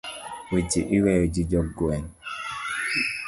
Weche iweyo ji jogweng'.